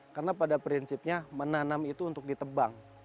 karena pada prinsipnya menanam itu untuk ditebang